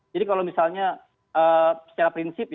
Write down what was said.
jadi kalau misalnya secara prinsip ya